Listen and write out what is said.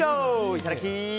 いただき！